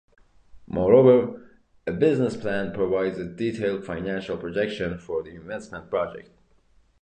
Moreover, a business plan provides a detailed financial projection for the investment project.